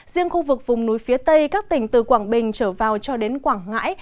riêng khu vực vùng núi phía tây các tỉnh từ quảng bình trở vào cho đến quảng ngãi